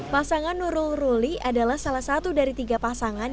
pasangan nurul ruli adalah salah satu dari tiga pasangan